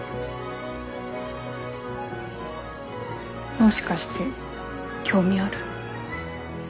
もしかして興味ある？